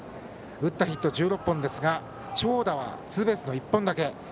打ったヒットは１６本ですが長打はツーベースの１本だけ。